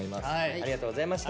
ありがとうございます。